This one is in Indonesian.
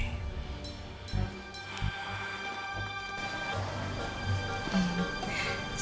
kalau begitu kita pergi sekarang dari sini